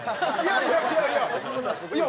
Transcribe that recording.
いやいやいやいや。